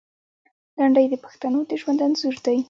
لنډۍ د پښتنو د ژوند انځور دی.